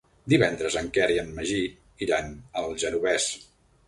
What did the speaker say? Divendres en Quer i en Magí iran al Genovés.